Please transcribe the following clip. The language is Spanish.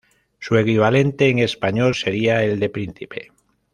Su equivalente en español sería el de príncipe.